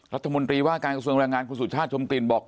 รัฐมนตรีว่าการกระทรวงแรงงานคุณสุชาติชมกลิ่นบอก